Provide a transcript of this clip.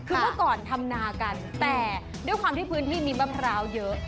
คือเมื่อก่อนทำนากันแต่ด้วยความที่พื้นที่มีมะพร้าวเยอะ